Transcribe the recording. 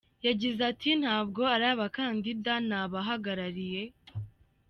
Yagize ati “Ntabwo ari abakandida ni ababahagarariye.